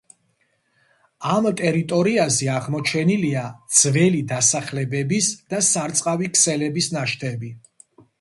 ამ ტერიტორიაზე აღმოჩენილია ძველი დასახლებების და სარწყავი ქსელების ნაშთები.